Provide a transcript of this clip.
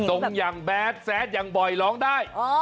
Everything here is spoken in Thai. อย่างแบดแซดอย่างบ่อยร้องได้